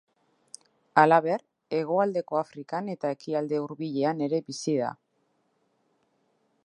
Halaber, hegoaldeko Afrikan eta Ekialde Hurbilean ere bizi da.